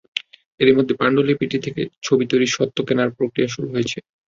এরই মধ্যে পাণ্ডুলিপিটি থেকে ছবি তৈরির স্বত্ব কেনার প্রক্রিয়া শুরু হয়েছে।